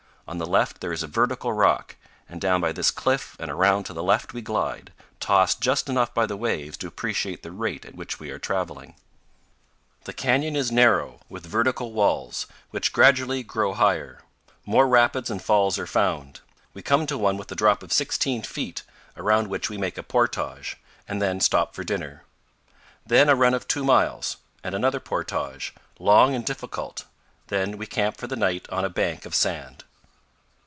On the left there is a vertical rock, and down by this cliff and around to the left we glide, tossed just enough by the waves to appreciate the rate at which we are traveling. 235 The canyon is narrow, with vertical walls, which gradually grow higher. More rapids and falls are found. We come to one with a drop of sixteen feet, around which we make a portage, and then stop for dinner. Then a run of two miles, and another portage, long and difficult; then we camp for the night on a bank of sand.